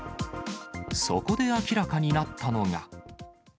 そこで明らかになったのが。